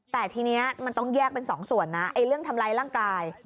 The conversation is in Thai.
แต่ทีนี้มันต้องแยกเป็นสองส่วนนะไอ้เรื่องทำร้ายร่างกาย